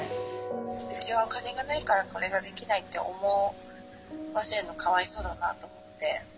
うちはお金がないからこれができないって思わせるの、かわいそうだなと思って。